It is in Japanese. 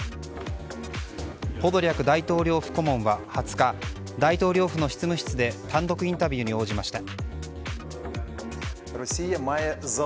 ポドリャク大統領府顧問は２０日大統領府の執務室で単独インタビューに応じました。